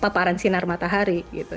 paparan sinar matahari gitu